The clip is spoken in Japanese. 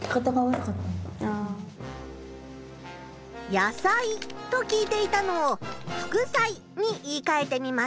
「野菜」と聞いていたのを「副菜」に言いかえてみました。